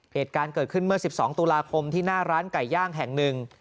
เหตุการณ์เกิดขึ้นเมื่อ๑๒ตุลาคมที่หน้าร้านไก่ย่างแห่งหนึ่ง